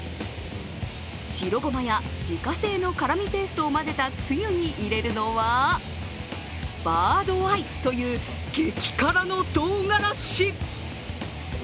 白ごまや自家製の辛味ペーストを混ぜたつゆに入れるのはバードアイという激辛のとうがらし。